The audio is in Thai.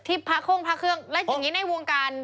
พระโค้งพระเครื่องแล้วอย่างนี้ในวงการ